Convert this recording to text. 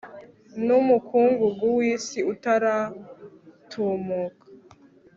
Numukungugu wisi utaratumuka